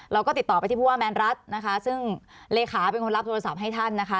เราก็ติดต่อไปที่ผู้ว่าแมนรัฐนะคะซึ่งเลขาเป็นคนรับโทรศัพท์ให้ท่านนะคะ